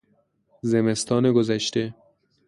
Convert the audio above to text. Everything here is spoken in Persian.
زمستان گذشته